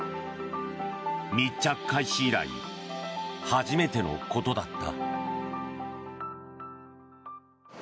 密着開始以来初めてのことだった。